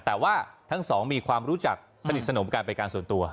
แต่ว่าทั้งสองมีความรู้จักสนิทสนมกันเป็นการส่วนตัว